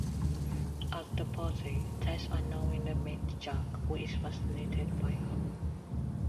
At the party, Tess unknowingly meets Jack, who is fascinated by her.